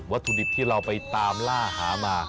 ถุดิบที่เราไปตามล่าหามา